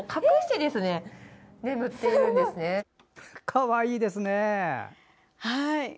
かわいいですね。